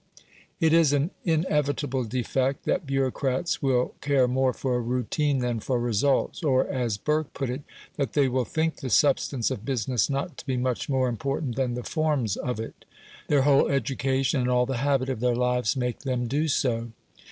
It is an inevitable defect, that bureaucrats will care more for routine than for results; or, as Burke put it, "that they will think the substance of business not to be much more important than the forms of it". Their whole education and all the habit of their lives make them do so.